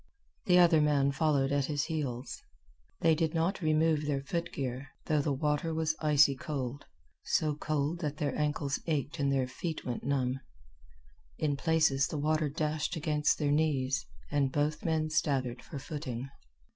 The other man followed at his heels. They did not remove their foot gear, though the water was icy cold so cold that their ankles ached and their feet went numb. In places the water dashed against their knees, and both men staggered for footing.